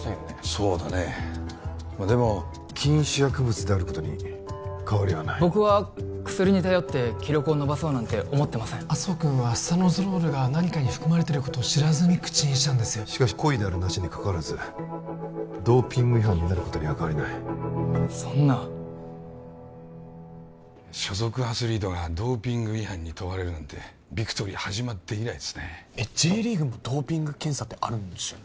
そうだねまあでも禁止薬物であることに変わりはない僕は薬に頼って記録を伸ばそうなんて思ってません麻生君はスタノゾロールが何かに含まれてることを知らずに口にしたんですしかし故意であるなしに関わらずドーピング違反になることには変わりないそんな所属アスリートがドーピング違反に問われるなんてビクトリー始まって以来ですねＪリーグもドーピング検査ってあるんですよね